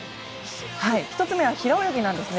１つ目は平泳ぎです。